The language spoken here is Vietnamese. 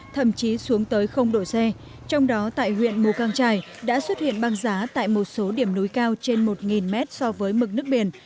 thậm chí xuống tới độ c trong đó tại huyện mù căng trải đã xuất hiện băng giá tại một số điểm núi cao trên một mét so với mực nước biển